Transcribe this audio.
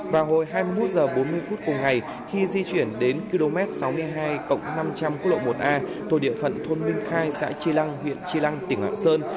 vào hồi hai mươi một h bốn mươi phút cùng ngày khi di chuyển đến km sáu mươi hai năm trăm linh quốc lộ một a thuộc địa phận thôn minh khai xã tri lăng huyện tri lăng tỉnh lạng sơn